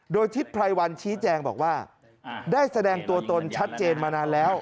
โดยทิศไพรวันชี้แจงบอกว่าได้แสดงตัวตนชัดเจนมานานแล้ว